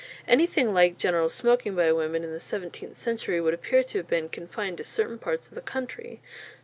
Anything like general smoking by women in the seventeenth century would appear to have been confined to certain parts of the country.